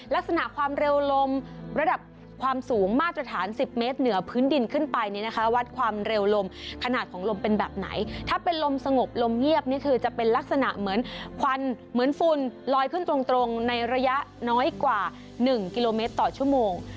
ลักษณะความเร็วลมระดับความสูงมาตรฐาน๑๐เมตรเหนือพื้นดินขึ้นไปเนี่ยนะคะวัดความเร็วลมขนาดของลมเป็นแบบไหนถ้าเป็นลมสงบลมเงียบนี่คือจะเป็นลักษณะเหมือนควันเหมือนฝุ่นลอยขึ้นตรงในระยะน้อยกว่า๑กิโลเมตรต่อชั่วโมง